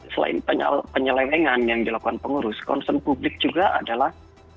selain penyelewengan yang dilakukan pengurus concern publik juga adalah